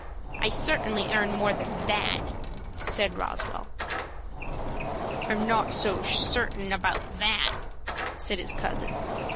I certainly earn more than that," said Roswell. "I am not so sure about that," said his cousin.